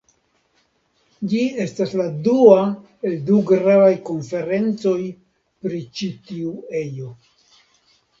Ĝi estas la dua el du gravaj konferencoj pri ĉi tiu ejo.